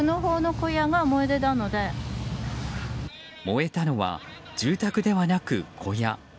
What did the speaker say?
燃えたのは住宅ではなく小屋。